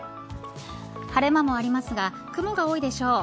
晴れ間もありますが雲が多いでしょう。